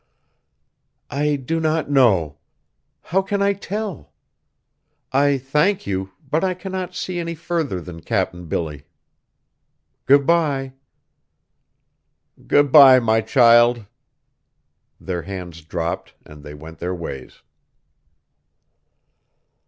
"I do not know. How can I tell? I thank you, but I cannot see any further than Cap'n Billy! Good bye." "Good bye, my child!" Their hands dropped, and they went their ways.